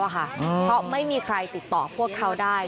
เพราะไม่มีใครติดต่อพวกเขาได้